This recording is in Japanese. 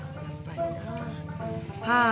やっぱりな。